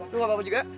tunggu papa juga